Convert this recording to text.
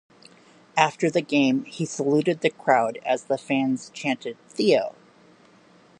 After the game, he saluted the crowd as the fans chanted Theo!